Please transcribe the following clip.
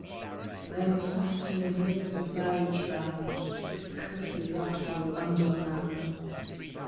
"I am fast in the yoke of marriage bound To this cursèd rat hole underground.